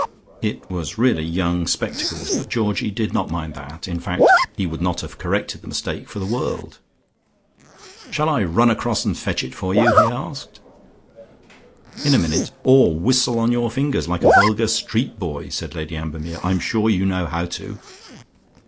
It was really young spectacles, but Georgie did not mind that. In fact, he would not have corrected the mistake for the world. "Shall I run across and fetch it for you?" he asked. "In a minute. Or whistle on your fingers like a vulgar street boy," said Lady Ambermere. "I'm sure you know how to."